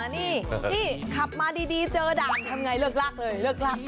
นี่นี่ขับมาดีเจอด่านทำไงเลิกลักเลยเลิกลัก